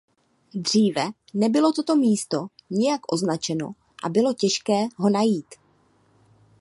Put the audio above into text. Dříve nebylo toto místo nijak označeno a bylo těžké ho najít.